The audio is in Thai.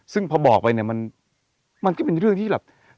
ซึ่งพอบอกไปเนี่ยมันก็เป็นเรื่องที่แบบ